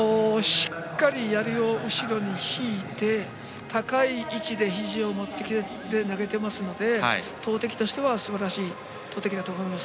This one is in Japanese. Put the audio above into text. しっかりやりを後ろに引いて高い位置でひじを持ってきて投げていますので投てきとしてすばらしい投てきだと思います。